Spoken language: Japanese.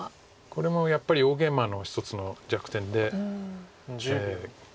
これもやっぱり大ゲイマの一つの弱点で。